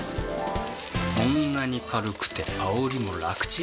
こんなに軽くてあおりも楽ちん！